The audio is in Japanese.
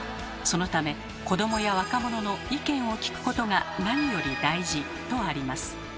そのため子どもや若者の意見を聴くことが何より大事」とあります。